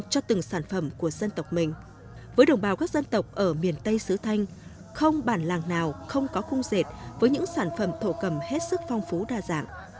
đồng bào các dân tộc ở miền tây sứ thanh không bản làng nào không có khung rệt với những sản phẩm thổ cầm hết sức phong phú đa dạng